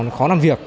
nó khó làm việc